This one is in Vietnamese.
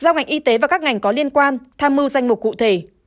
giao ngành y tế và các ngành có liên quan tham mưu danh mục cụ thể